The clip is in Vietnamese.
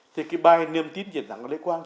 thì cái bài niềm tin diện thắng lễ quang